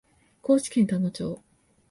高知県田野町